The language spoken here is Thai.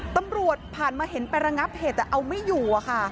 ตำรวจผ่านมาเห็นไประงับเหตุแต่เอาไม่อยู่อะค่ะ